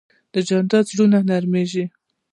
جانداد د زړونو نرمیږي.